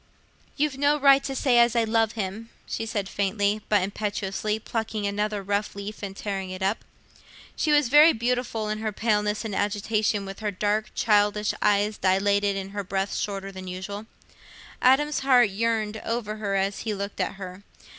"You've no right to say as I love him," she said, faintly, but impetuously, plucking another rough leaf and tearing it up. She was very beautiful in her paleness and agitation, with her dark childish eyes dilated and her breath shorter than usual. Adam's heart yearned over her as he looked at her.